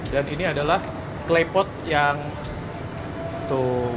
dan ini adalah klepot yang tua